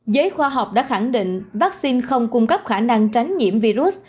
giới khoa học đã khẳng định vaccine không cung cấp khả năng tránh nhiễm virus